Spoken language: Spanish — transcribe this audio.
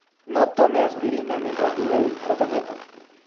No tome aspirina mientras dure el tratamiento.